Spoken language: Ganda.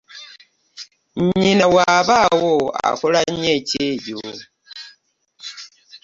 Nnyina bw'abaawo akola nnyo ekyejo.